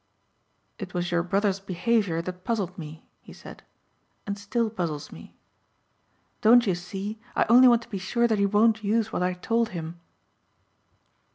"It was your brother's behaviour that puzzled me," he said, "and still puzzles me. Don't you see I only want to be sure that he won't use what I told him?"